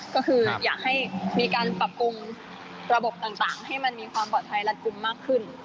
ก็คืออยากให้มีการปรับปรุงระบบต่างให้มันมีความปลอดภัยรัดกลุ่มมากขึ้น